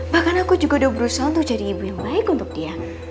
bahkan aku juga udah berusaha untuk jadi ibu yang baik untuk dia